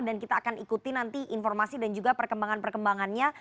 dan kita akan ikuti nanti informasi dan juga perkembangan perkembangannya